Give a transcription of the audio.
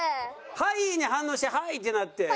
「はい」に反応にして「はい」ってなって。